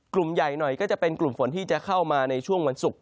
กลุ่มใหญ่หน่อยก็จะเป็นกลุ่มฝนที่จะเข้ามาในช่วงวันศุกร์